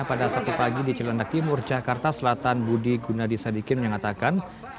pada sabtu pagi di cilandak timur jakarta selatan budi gunadisadikin mengatakan